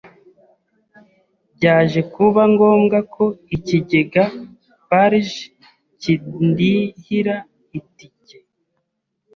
Byaje kuba ngombwa ko ikigega Farg kindihira iti ke